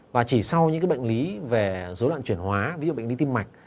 và chỉ sau những bệnh lý về dối loạn chuyển hóa ví dụ bệnh lý tim mạch